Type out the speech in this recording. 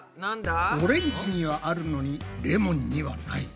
オレンジにはあるのにレモンにはない。